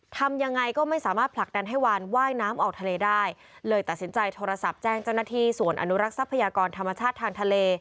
ทำยังไงก็ไม่สามารถผลักดันให้วานว่ายน้ำออกทะเลได้เลยตัดสินใจโทรศัพท์แจ้งเจ้าหน้าที่ส่วนอนุรักษ์ทรัพยากรธรรมชาติทางทะเล